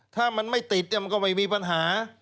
ถ้ามันไม่ติดมันก็ไม่มีปัญหา